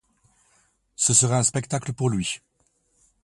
Ce serait un spectacle pour lui.